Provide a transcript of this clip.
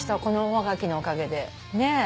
このおはがきのおかげで。